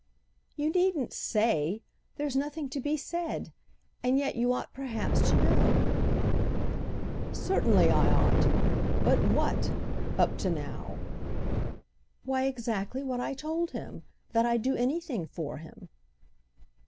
"You needn't 'say'—there's nothing to be said. And yet you ought perhaps to know." "Certainly I ought. But what—up to now?" "Why exactly what I told him. That I'd do anything for him."